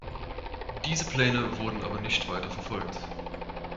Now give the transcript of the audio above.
Diese Pläne wurden aber nicht weiter verfolgt.